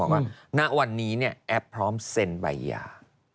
ว่าณวันนี้แอปพร้อมเซ็นใบหย่า